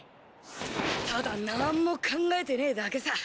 ただ何も考えてねえだけさ。